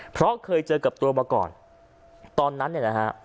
เพราะเคยเจอกับตัวมาก่อนตอนนั้นเนี่ยนะฮะ